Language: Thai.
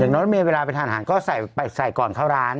อย่างนั้นจะมีเวลาไปทานหาญก็ใส่ก่อนเข้าร้าน